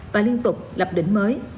và liên tục lập đỉnh mới